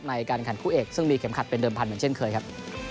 ในการแข่งคู่เอกซึ่งมีเข็มขัดเป็นเดิมพันเหมือนเช่นเคยครับ